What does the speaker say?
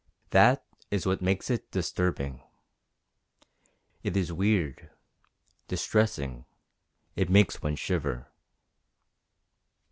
That is what makes it disturbing. It is weird distressing. It makes one shiver."